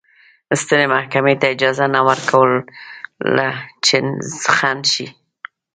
سترې محکمې ته اجازه نه ورکوله چې خنډ شي.